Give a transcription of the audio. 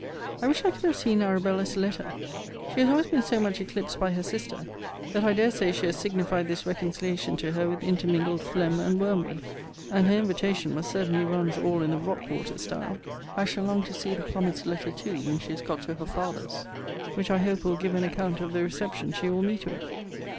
I wish I could have seen Arabella's letter. She has always been so much eclipsed by her sister, that I dare say she has signified this reconciliation to her with intermingled phlegm and wormwood; and her invitation must certainly runs all in the rock water style. I shall long to see the promised letter too when she is got to her father's, which I hope will give an account of the reception she will meet with.